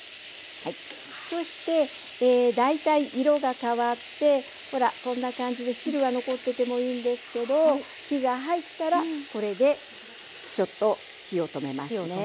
そして大体色が変わってほらこんな感じで汁は残っててもいいんですけど火が入ったらこれでちょっと火を止めますね。